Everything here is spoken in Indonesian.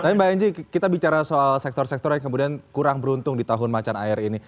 tapi mbak enji kita bicara soal sektor sektor yang kemudian kurang beruntung di tahun macan air ini